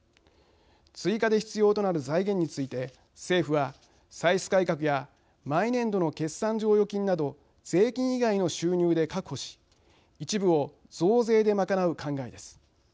追加で必要となる財源について政府は、歳出改革や毎年度の決算剰余金など税金以外の収入で確保し一部を増税で賄う考えです。